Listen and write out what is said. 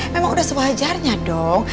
memang udah sewajarnya dong